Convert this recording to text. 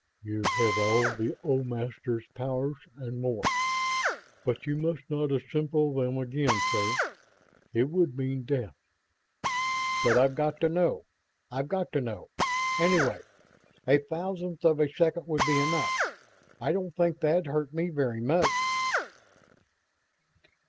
"You have all the old Masters' powers and more. But you must not assemble them again, sir. It would mean death." "But I've got to know.... I've got to know! Anyway, a thousandth of a second would be enough. I don't think that'd hurt me very much."